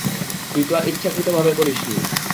তুই তো আর ইচ্ছাকৃতভাবে করিসনি।